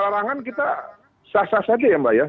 larangan kita sah sah saja ya mbak ya